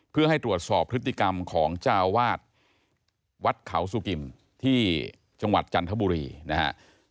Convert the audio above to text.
เพื่อให้ตรวจสอบพฤติกรรมของเจ้าวาดวัดเขาสุกิมที่จังหวัดจันทบุรีนะฮะ